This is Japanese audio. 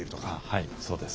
はいそうです。